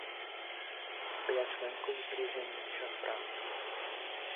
Byla členkou sdružení Šafrán.